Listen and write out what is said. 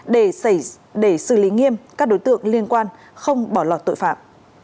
để xử lý nghiêm các đối tượng liên quan không bỏ lọt tội phạm